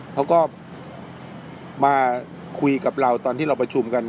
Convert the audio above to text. เขาก็มาคุยกับเราตอนที่เราประชุมกัน